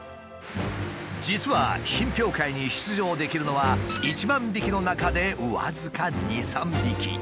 実は品評会に出場できるのは１万匹の中で僅か２３匹。